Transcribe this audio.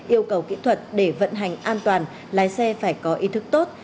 yêu cầu kỹ thuật để vận hành an toàn lái xe phải có ý thức tốt